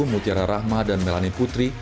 mutiara rahma dan melani putri